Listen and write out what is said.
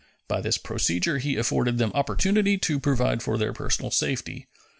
By this procedure he afforded them opportunity to provide for their personal safety.